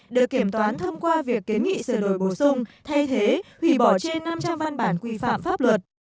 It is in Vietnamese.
được kiểm toán thông qua việc kiến nghị sửa đổi bổ sung thay thế hủy bỏ trên năm trăm linh văn bản quy phạm pháp luật